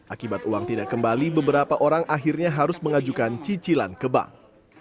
akibat uang tidak kembali beberapa orang akhirnya harus mengajukan cicilan ke bank